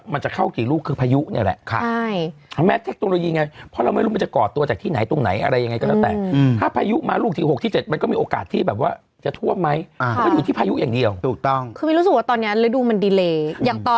มันจะเข้ากี่ลูกคือพายุเนี่ยแหละ